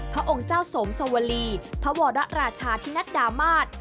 พระองค์เจ้าสมสวรีพระวรราชาธินัดดามาศ